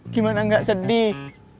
gimana gak sedih